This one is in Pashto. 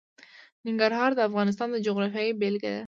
ننګرهار د افغانستان د جغرافیې بېلګه ده.